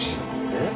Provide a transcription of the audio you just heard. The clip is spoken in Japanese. えっ？